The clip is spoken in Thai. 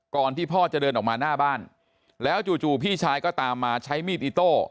ที่พ่อจะเดินออกมาหน้าบ้านแล้วจู่พี่ชายก็ตามมาใช้มีดอิโต้